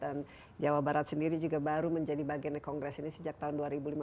dan jawa barat sendiri juga baru menjadi bagian kongres ini sejak tahun dua ribu lima belas